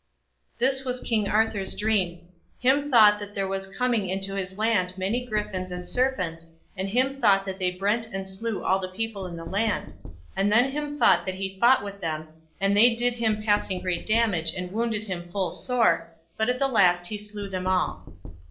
This was King Arthur's dreame. Him thought that there was comen into his lande many gryffons and serpents, and him thought that they brent and slew all the people in the land. And then him thought that he fought with them, and they did him passing great damage and wounded him full sore, but at the last he slewe them all.